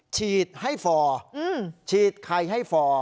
ฉีดให้ฟอร์ฉีดไข่ให้ฟอร์